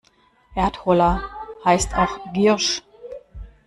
Erdholler heißt auch Giersch.